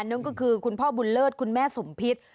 นั่นก็คือคุณพ่อบุญเลิศคุณแม่สมพิษ